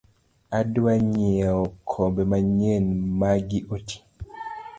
Adwa nyieo kombe manyien magi otii.